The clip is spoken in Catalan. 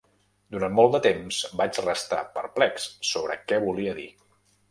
Durant molt de temps vaig restar perplex sobre què volia dir.